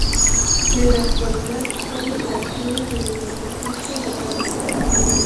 En la actualidad sólo se activa en el deportista de campo.